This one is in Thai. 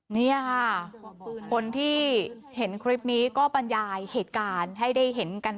นี่ค่ะคนที่เห็นคลิปนี้ก็บรรยายเหตุการณ์ให้ได้เห็นกัน